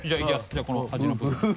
じゃあこの端の部分。